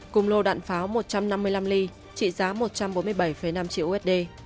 cùng lô đạn pháo một trăm năm mươi năm ly trị giá một trăm bốn mươi bảy năm triệu usd